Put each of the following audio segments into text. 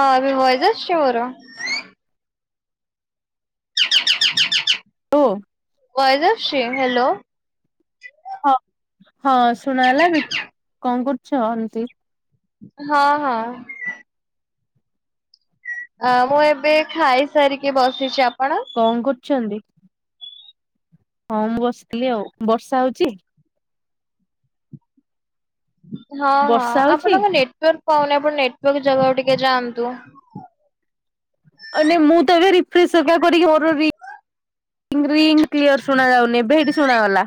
ହଁ ଏବେ ଭଏଜ ଆସୁଚି ମୋର। [unintelligible] ଭଏଜ୍ ଆସୁଚି, ହାଲୋ। ହଁ, ହଁ ଶୁଣା ଗଲାନିକି କଣ କରୁଚ? ଏମିତି ହଁ ହଁ। ଆ ମୁଁ ଏବେ ଖାଇସାରିକି ବସିଚି ଆପଣ? କଣ କରୁଛନ୍ତି? ହଁ ମୁଁ ବସିଥିଲି ଆଉ ବର୍ଷା ହଉଛି। ହଁ ହଁ ବର୍ଷା ହଉଛି ଆପଣଙ୍କ ନେଟୱାର୍କ ପାଉନି ଆପଣ ନେଟୱାର୍କ ଜାଗାକୁ ଟିକେ ଯାଆନ୍ତୁ। ଆଉ ନେ ମୁଁ ତ ଏବେ ରିଫ୍ରେସ ଆଗା କରିକି ମୋର ରି ରିଙ୍ଗ କ୍ଲିୟର ଶୁଣା ଯାଉନି ଏବେ ହେଇଟି ଶୁଣାଗଲା।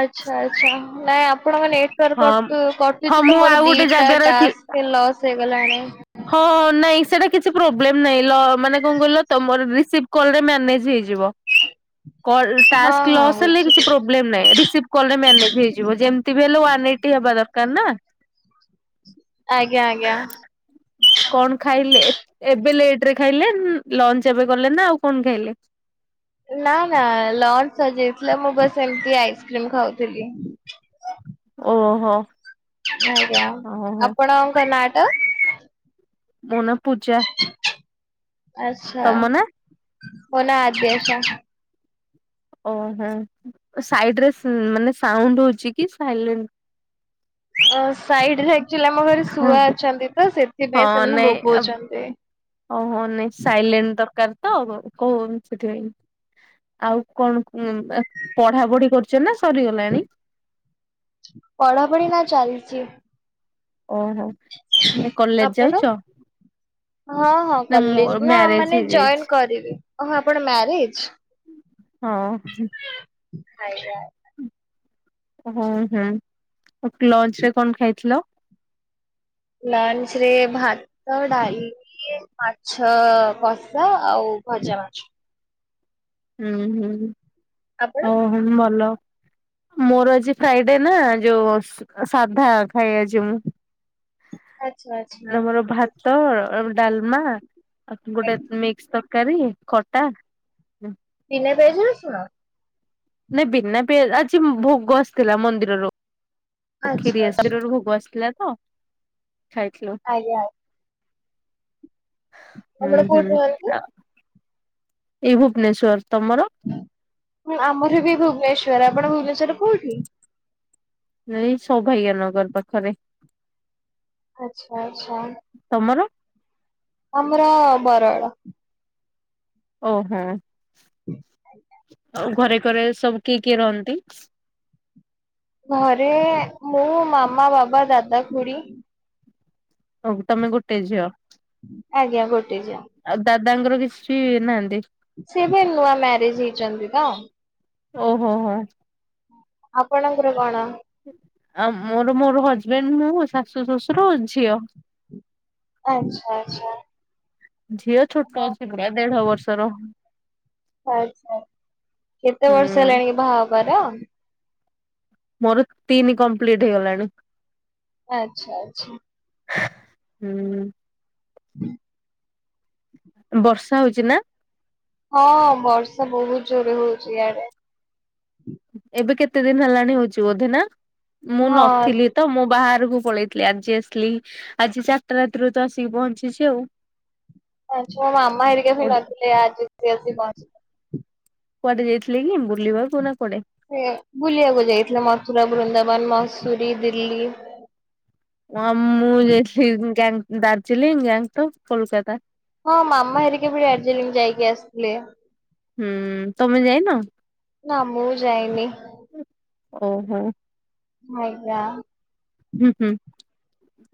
ଆଚ୍ଛା ଆଚ୍ଛା ନାଇଁ ଆପଣଙ୍କ ନେଟ ୱର୍କ ହଁ କଟ ହଁ କଟୁଛି ତ ମୁଁ ମୋର ଆଉ ଗୋଟେ ଦିଟା ଜାଗାରେ ଥି ଟ୍ୟାକ୍ସ ଲସ୍ ହେଇଗଲାଣି। ହଁ ନାଇଁ ସେଇଟା କିଛି ପ୍ରୋବ୍ଲେମ ନାଇଁ ଲ ମାନେ କଣ କହିଲ ତମର ରିସିପ କଲ୍ ରେ ମ୍ୟାନେଜ ହୋଇଯିବ କଲ ହଁ ଟାସ୍କ ହଁ ଲସ ହେଲେ କିଛି ବୁଝିଲି। ପ୍ରୋ ବ୍ଲେମ ନାହିଁ ରିସିପ୍ଟ କଲ ରେ ମ୍ୟାନେଜ ହେଇଯିବ ଯେମିତି ବି ହେଲେ ୱାନ ଏଇଟି ହେବା ଦରକାର ନା। ଆଜ୍ଞା, ଆଜ୍ଞା। କଣ ଖାଇଲେ? ଏ ଏବେ ଲେଟରେ ଖାଇଲେ ଲଞ୍ଚ ଏବେ କଲେ ନା ଆଉ କଣ ଖାଇଲେ? ନା ନା ଲଞ୍ଚ ସରିଯାଇଥିଲା ମୁଁ ବାସ ଏମିତି ଆଇସ୍କ୍ରିମ ଖାଉଥିଲି। ଓହୋ। ଆଜ୍ଞା ଓହୋ ଆପଣଙ୍କ ନା ଟା? ମୋ ନାଁ ପୂଜା। ଆଚ୍ଛା, ତମ ନା? ମୋ ନାଁ ଆଦ୍ୟାଶା। ଓହୋ ସାଇଡରେ ସି ମାନେ ସାଉଣ୍ଡ ହଉଛି କି ସାଇଲେଣ୍ଟ ଅଁ ସାଇଡ ରେ ଆକ୍ଟୁଆଲି ଆମ ଘରେ ହଁ ଶୁଆ ଅଛନ୍ତି ତ ସେଥିପାଇଁ ହଁ ସେମାନେ ନାଇଁ ବୋବଉଛନ୍ତି। ଓହୋ ନାଇଁ ସାଇଲେଣ୍ଟ ଦରକାର ତ କୋଉ ସେଥିପାଇଁ। ଆଉ କଣ ଉମ ପଢା ପଢି କରୁଛ ନା ସରିଗଲାଣି? ପଢ଼ାପଢି ନା ଚାଲିଛି। ଓହୋ ମାନେ କଲେଜ ଆପଣ? ଯାଉଛ? ହଁ ହଁ ନା ମୋ କଲେଜ ନା ମ୍ୟାରେଜ ମାନେ ହେଇଯାଇଛି ଜଏନ୍ କରିବି। ଓ ହଁ ଆପଣ ମ୍ୟାରେଜ? ହଁ ହୁଁ। ଆଜ୍ଞା। ହୁ ହୁ ଲଞ୍ଚ ରେ କଣ ଖାଇଥିଲ? ଲଞ୍ଚ ରେ ଭାତ, ଡାଲି ମାଛ କଷା ଆଉ ଭଜା ମାଛ। ହୁଁ ହୁଁ। ଆପଣ? ଓହୋ ଭଲ। ମୋର ଆଜି ଫ୍ରାଇଡେ ନା ଯୋଉ ସାଧା ଖାଏ ଆଜି ମୁଁ। ଆଚ୍ଛା, ଆଚ୍ଛା। ଆମର ଭାତ, ଡାଲମା ଆ ଗୋଟେ ମିକ୍ସ ତରକାରୀ। ଖଟା। ବିନା ପିଆଜ ରସୁଣ? ନାଇଁ ବିନା ପିଆ, ଆଜି ଭୋଗ ଆସିଥିଲା ମନ୍ଦିରରୁ। ଓ ଆଚ୍ଛା କ୍ଷୀରି ଏ ଆଚ୍ଛା। ସାରିରୁ ଭୋଗ ଆସିଥିଲା ତ ଖାଇଥିଲୁ। ଆଜ୍ଞା। ହୁଁ ଆପଣ ହୁଁ କୋଉଠି ରୁହନ୍ତି? ଆ ଏଇ ଭୁବନେଶ୍ଵର ତମର? ହଁ ଆମର ବି ଭୁବନେଶ୍ଵର ଆପଣ ଭୁବନେଶ୍ଵରରେ କୋଉଠି? ଏଇ ସୌଭାଗ୍ୟ ନଗର ପାଖରେ। ଆଛା ଆଛା। ତମର ଆମର ବରଗଡ଼। ଓହୋ। [inaudible] ଆଉ ଘରେ କରେ ସବୁ କିଏ କିଏ ରହନ୍ତି? ଘରେ ମୁଁ, ମାମା, ବାବା, ଦାଦା, ଖୁଡି। ହଉ ତମେ ଗୋଟେ ଝିଅ? ଆଜ୍ଞା ଗୋଟେ ଝି ଆଉ ଦାଦାଙ୍କର କିଛି ନାହାନ୍ତି? ସେ ଏବେ ନୂଆ ମ୍ୟାରେଜ ହେଇଛନ୍ତି ତ? ଓହୋ ହୋ। ଆପଣଙ୍କର କଣ? ଆ ମୋର ମୋର ହଜବେଣ୍ଡ, ମୁଁ ଶାଶୁ, ଶ୍ୱଶୁର, ଝିଅ। ଆଛା ଆଚ୍ଛା। ଝିଅ ଛୋଟ ଅଛି ପୁରା ଦେଢ ବର୍ଷର। ଆଚ୍ଛା କେତେ ବର୍ଷ ହେଲାଣି କି ବାହା ହେବାର? ମୋର ତିନି କମ୍ପ୍ଲିଟ ହେଇଗଲାଣି। ଆଚ୍ଛା ଆଚ୍ଛା। ହୁଁ। [inaudible] ବର୍ଷା ହଉଛି ନା? ହଁ ବର୍ଷା ବହୁତ ଜୋର ହଉଛି ଇଆଡେ। ଏବେ କେତେ ଦିନ ହେଲାଣି ହଉଛି ବୋଧେନା? ମୁଁ ହଁ। ନଥିଲି। ତ ମୁଁ ବାହାରକୁ ପଳେଇଥିଲି ଆଜି ଆସିଲି। ଆଜି ଚାରିଟା ରାତିରୁ ତ ଆସିକି ପହଞ୍ଚିଛି ଆଉ। ଆ ମୋ ମାମା ହେରିକା ବି ନଥିଲେ ଆଜି ସ ଆସି ପହଞ୍ଚ କୁଆଡେ ଯାଇଥିଲେ କି ବୁଲିବାକୁ ନା କୁଆଡ଼େ? ବୁଲିବାକୁ ଯାଇଥିଲେ ମଥୁରା, ବୃନ୍ଦାବନ, ମସୁରୀ, ଦିଲ୍ଲୀ। ମୁଁ ଯାଇଥିଲି ଦାର୍ଜିଲିଂ, ଗଙ୍ଗଟକ୍, କୋଲକାତା। ହଁ ମାମା ହେରିକି ବି ଡାର୍ଜିଲିଂ ଯାଇକି ଆସିଥିଲେ। ହୁଁ ତମେ ଯାଇନ? ନା ମୁଁ ଯାଇନି। ଓହୋ। [unintelligible] ହୁଁ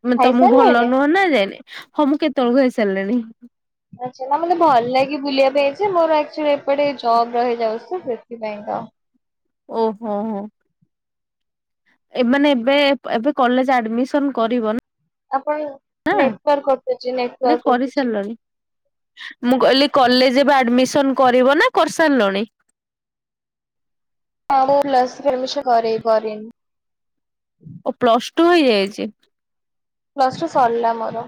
ହୁଁ ତମକୁ ଭଲ ଖାଇସାରିଲେଣି? ନୁହଁ ନା ଯାଇନ ହଁ ମୁଁ କେତେବେଳକୁ ହେଇ ସାରିଲିଣି। ଆଛା ନା ମତେ ଭଲ ଲାଗି ବୁଲିବା ପାଇ ଯେ ମୋର ଆକଚୁଆଲି ଏପଟେ ଜବ ରହିଯାଉଛି ସେଥିପାଇଁ ତ ଓହୋ ହୋ। ଏମାନେ ଏବେ ଏବେ କଲେଜ ଆଡମିସନ କରିବ ନା ଆପଣ ନେଟୱାର୍କ କଟୁଛି ନା ନେଟୱାର୍କ କଟୁଛି। କରିସାରିଲଣି ମୁଁ କହିଲି କଲେଜ ଏବେ ଆଡମିସନ କରିବ ନା କରିସାରିଲଣି? ହଁ ମୁଁ [unintelligible] ଓ ପ୍ଲସ ଟୁ ହେଇଯାଇଛି। ପ୍ଲସ ଟୁ ସରିଲା ମୋର।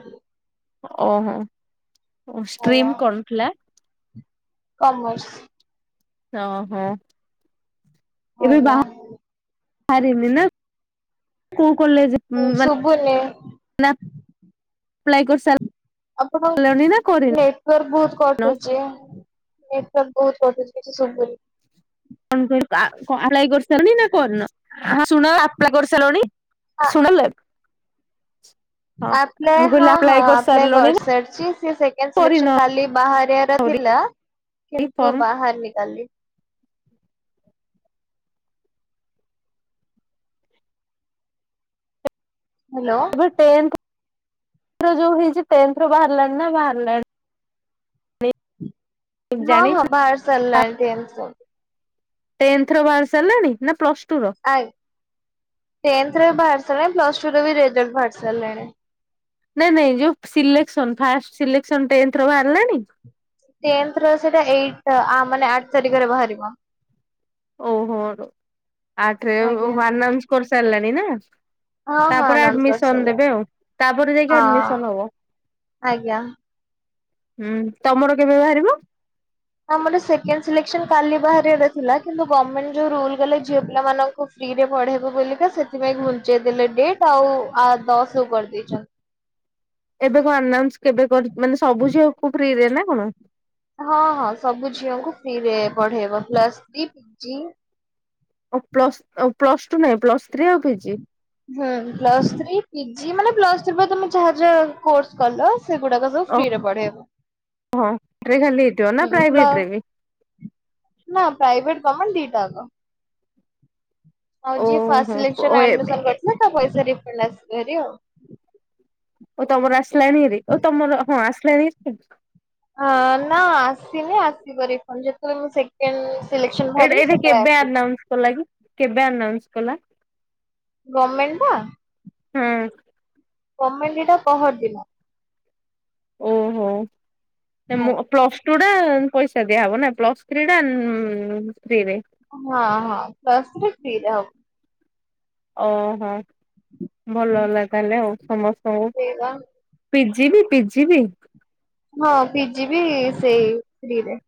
ଓହୋ ଓ ଆଜ୍ଞା ଷ୍ଟ୍ରିମ୍ କଣ ଥିଲା? କମର୍ସ। ଓହୋ। ଏବେ ବା ଆଜ୍ଞା। ବାହାରିନି ନା କୋଉ କଲେଜ। ମାନେ ଶୁଭୁନି। ନା ପ୍ଲାଇ କରସା ଆପଣଙ୍କ କରିସାରିଲଣି ନେଟୱର୍କ ବହୁତ କଟୁଛି। ନେଟୱାର୍କ ବହୁତ କଟୁଛି କିଛି ଶୁଭୁନି। [unintelligible] ଆପ୍ଲାଏ କରିସାରିଲଣି ନା କରିନ। ଶୁଣ ଆପ୍ଲାଏ କରିସାଇଲଣି। [unintelligible] [unintelligible] ଆପ୍ଲାଏ ମୁଁ ହଁ କହିଲି ହଁ ଆପ୍ଲାଏ କରିସାରିଲଣି କରିସାରିଛି ସେ ସେକେଣ୍ଡ କରିନ ସିଲେକ୍ସନ କାଲି ବାହାରିବାର ଆହୁରି ଥିଲା କିନ୍ତୁ ଫର୍ମ ବାହାରିନି କାଲି। ହ୍ୟାଲୋ। ଯୋଉ ଟେନ୍ଥର ଯୋଉ ହେଇଚି ଟେନ୍ଥର ବାହାରିଲାଣି ନା ବାହାରିଲଣି। ହଁ ହଁ ଜାଣିଛ ବାହାର ସାରିଲାଣି ଟେନ୍ଥର। ଟେନ୍ଥର ବାହାରି ସାରିଲଣି ନା ପ୍ଲସ୍ ଟୁ ର। ଆକ୍ ଟେନ୍ଥର ବି ବାହାରି ସାରିଲଣି ପ୍ଲସ ଟୁ ର ବି ରେଜଲ୍ଟ ବାହାରି ସାରିଲାଣି। ନାଇଁ ନାଇଁ ଯୋଉ ସିଲେକ୍ସନ ଫାଷ୍ଟ ସିଲେକ୍ସନ ଟେନ୍ଥର ବାହାରିଲାଣି। ଟେନ୍ଥର ସେଇଟା ଏଇଟା ମାନେ ଆଠ ତାରିଖରେ ବାହାରିବ। ଓହୋ ଆଠରେ ଆଜ୍ଞା। ଆନାଉନ୍ସ କରିସାରିଲାଣି ନା। ହଁ ହଁ ତାପରେ ଆନାଉନ୍ସ ଆଡମିସନ୍ କରିସାରିଲେଣି ଦେବେ ଆଉ। ତାପରେ ଯାଇକି ହଁ ଆଡମିସନ ହବ। ଆଜ୍ଞା। ହୁଁ ତମର କେବେ ବାହାରିବ? ଆମର ସେକେଣ୍ଡ ସିଲେକ୍ସନ କାଲି ବାହାରିବାର ଥିଲା କିନ୍ତୁ ଗମେଣ୍ଟ ଯୋଉ ରୁଲ୍ କଲେ ଝିଅ ପିଲାମାନାନଙ୍କୁ ଫ୍ରିରେ ପଢେଇବୁ ବୋଲିକା ସେଥିପାଇଁ ଘୁଞ୍ଚେଇ ଦେଲେ ଡେଟ୍ ଆଉ ଦଶକୁ କରିଦେଇଚନ୍ତି। ଏବେ କଣ ଆନାଉନ୍ସ କେବେ କରି ମାନେ ସବୁ ଝିଅକୁ ଫ୍ରି ରେ ନା କଣ? ହଁ ହଁ ସବୁ ଝିଅଙ୍କୁ ଫ୍ରିରେ ପଢେଇବ plus three, PG. Plus plus two ନାଇଁ ପ୍ଲସ୍ ଥ୍ରୀ ଆଉ ପିଜି। ହୁଁ। ପ୍ଲସ୍ ଥ୍ରୀ ପିଜି ମାନେ ପ୍ଲସ୍ ଥ୍ରୀ ପରେ ତମେ ଯାହା ଯାହା କୋର୍ସ କଲ ସେଗୁଡାକ ସବୁ ଫ୍ରି ରେ ପଢେଇବ। ହଁ। [unintelligible] ନା ପ୍ଲ ପ୍ରାଇଭେଟରେ ବି। ନା ପ୍ରାଇଭେଟ ଗମେଣ୍ଟ ଦି ଟା ଯାକ। ଫାଷ୍ଟ ଓହୋ ଓ ସଲେକ୍ସନ ଆଡ୍ମିସନ ଏବେ କରିଥିଲେ ତା ପଇସା ରିଫଣ୍ଡ ଆସିବ [unintelligible] ଆଉ। ଓ ତମର ଆସିଲାଣି ଏରି ଓ ତମର ହଁ ଆସିଲାଣି। ନା ଆସିନି ଆସିବ ରିଫଣ୍ଡ। ଯେତେବେଳେ ମୁଁ ସେକେ ସେକେଣ୍ଡ ସିଲେକ୍ସନ ବାହାରିବ ସତବେଳେ ଆସିବ। ସେ ଲାଗି କେବେ ଆନାଉନ୍ସ୍ କଲା। ଗମେଣ୍ଟ ତ। ହୁଁ। ଗମେଣ୍ଟ ଏଟା ପହରିଦିନ। ଓହୋ। ମ ଭାଇ। ପ୍ଲାସ୍ ଟୁ ଟା ପଇସା ଦିଆହବ ନା ପ୍ଲସ୍ ଥ୍ରୀ ଟା ଫ୍ରିରେ। ହଁ ହଁ ପ୍ଲସ୍ ଟୁ ଟା ଫ୍ରିରେ ହବ। ଓହୋ ଭଲ ହେଲା ତା ହେଲେ ଆଉ। ସମସ୍ତଙ୍କୁ ସେଇବା ପିଜି ବି ପିଜି ବି। ହଁ ପିଜି ବି ସେଇ ଫ୍ରୀରେ।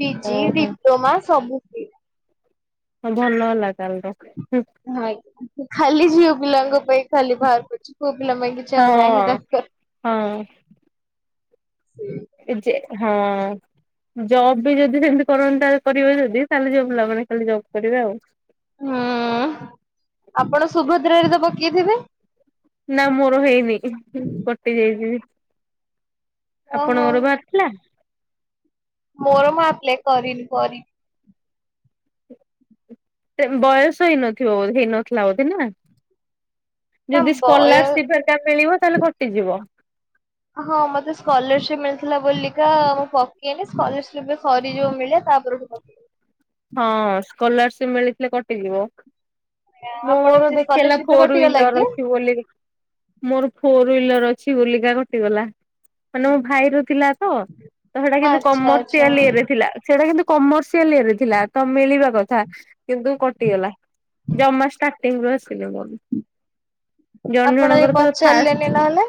ପିଜି ଓହୋ ଡିପ୍ଲୋମା ସବୁ ଫ୍ରିରେ। ହ ଭଲ ହେଲା କାଲ୍ ର ହଁ ଆଜ୍ଞା ଖାଲି ଝିଅ ପିଲାଙ୍କ ପାଇଁ ଖାଲି ବାହାର କରଛୁ ପୁଅ ପିଲା ପାଇଁ କିଛି ଆଉ ନାହିଁ ହଁ ତାଙ୍କ ର ହଁ ବିଜୟ ହଁ ଜବ୍ ବି ଯଦି ସେମିତି କରନ୍ତା କରିବେ ଯଦି ତାହଲେ ଝିଅ ପିଲା ମାନେ ଖାଲି ଜବ୍ କରିବେ ଆଉ ହୁଁ ଆପଣ ସୁଭଦ୍ରାରେ ତ ପକେଇଥିବେ ନା ମୋର ହେଇନି କଟି ଯାଇଛି ଓହୋ ଆପଣଙ୍କର ବା ହେଲା ମୋର ମୁ ଆପ୍ଲାଏ କରିନି କରିି ବୟସ ହେଇନଥ ହେଇନଥିଲା ବୋଧେ ନା ନା ଯଦି ବୟ ସ୍କଲାର୍ସିପ ଟା ମିଳିବ ତାହେଲେ କଟିଯିବ ହଁ ମତେ ସ୍କଲାର୍ସିପ ମିଳିଥିଲା ବୋଲିକା ମୁଁ ପକେଇନି ସ୍କଲାର୍ସିପ ସରି ଯୋଉ ମିଳେ ତାପରେ ମୁଁ ପକେଇବି ହଁ ସ୍କଲାର୍ସିପ ମିଳିଥିଲେ କଟିଯିବ ମୋ ଆପଣ ମୋର ସେ ଦେଖେଇଲା ସ୍କଲାରସିପରେ ଫୋର କଟିଗଲା କି? ହ୍ୱିଲର ଅଛି ବୋଲି ମୋର ଫୋର ହ୍ୱିଲର ଅଛି ବଲିକା କଟିଗଲା ମାନେ ମୋ ଭାଇ ର ଥିଲା ତ ତ ସେଇଟା କିନ୍ତୁ ଆଚ୍ଛା ଆଚ୍ଛା କମର୍ସିଆଲ ଇଏରେ ଥିଲା ସେଟା କିନ୍ତୁ କମର୍ସିଆଲ ଇଏରେ ଥିଲା ଥିଲା ତ ମିଳିବା କଥା କିନ୍ତୁ କଟିଗଲା ଜମା ଷ୍ଟାର୍ଟିଂରୁୁ ଆସିଲେ ବନି ଜଣ ଆପଣ ଏ ଜଣଙ୍କର ତ ପଚାରିଲେନି ଫାଷ୍ଟ ନହେଲେ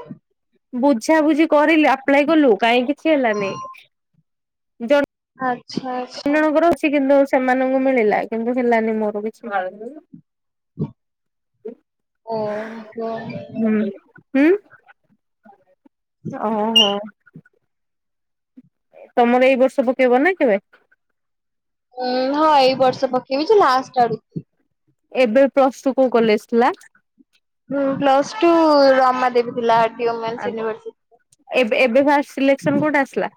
ବୁଝାବୁଝି କରିଲୁ ଆପ୍ଲାଏ କଲୁ କାହିଁ କିଛି ହେଲାନି ଜ ଆଚ୍ଛା ଅନ୍ୟ ଆଚ୍ଛା। ଜଣଙ୍କର ଅଛି କିନ୍ତୁ ସେମାନଙ୍କୁ ମିଳିଲା କିନ୍ତୁ ହେଲାନି ମୋର କିଛି ଓ ହ ହୁଁ ହୁଁ ଓହୋ ତମର ଏଇ ବର୍ଷ ପକେଇବ ନା କେବେ ଉଁ ହଁ ଏଇ ବର୍ଷ ପକେଇବି ଯେ ଲାଷ୍ଟ ଆଡ଼କୁ ଏବେ ପ୍ଲସ୍‌ଟୁ କୋଉ କଲେଜ ଥିଲା ପ୍ଲସ ଟୁ ରମା ଦେବୀ ଥିଲା ଆର ଡି ଓ ମେନସ୍ ୟୁନିଭରସି ଏବେ ଏବେ ଫାଷ୍ଟ ସିଲେକ୍ସନ କୋଉଟା ଆସିଲା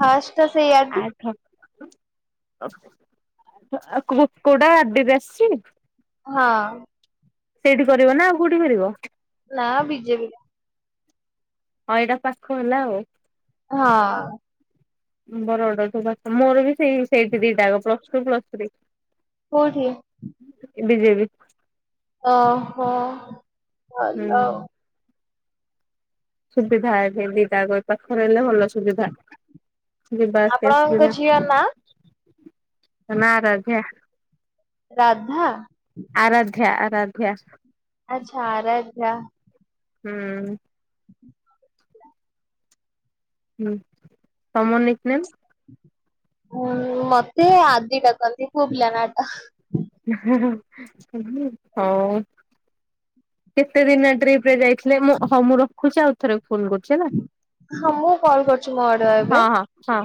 ଫାଷ୍ଟ ଟା ସେଇ ଆର୍ଡ ଆଉ କୁକୁଡ଼ା ଆଦ ବି ଆସିଛି ହଁ ସେଇଠି କରିବ ନା ଆଉ କୋଉଠି କରିବ ନା ବିଜେବି ହଁ ଏଇଟା ପାଖ ହେଲା ଆଉ ହଁ ବର ଅଡରୁ ମୋର ବି ସେଇ ସେଇଠି ଦିଟା ଯାକ ପ୍ଲସ ଟୁ ପ୍ଲସ ଥ୍ରୀ କଉଠି ବିଜେବି ଓହୋ ହୁଁ ଭଲ ସୁବିଧା ଏଠି ଦିଟା ଯାକ ପାଖରେ ହେଲେ ଭଲ ସୁବିଧା ଆପଣଙ୍କ ଝିଅ ନା [unintelligible] ରାଧା ଆରାଧ୍ୟା ଆରାଧ୍ୟା ଆଚ୍ଛା ଆରାଧ୍ୟା। ହୁଁ ହୁଁ ହୁଁ ତମ ନିକ ନେମ୍? ଉଁ ମତେ ଆଦି ଡାକନ୍ତି ପୁଅ ପିଲା ନାଟା। ହୋଉ। କେତେ ଦିନିଆ ଟ୍ରିପ୍ ରେ ଯାଇଥିଲେ ମୁଁ ହଁ ମୁଁ ରଖୁଛି ଆଉ ଥରେ ଫୋନ୍ କରୁ ହଁ ମୁଁ କଲ୍ କରୁଛି ମୋ ଆଡୁଆ ଏବେ। ହଁ ହଁ ହଁ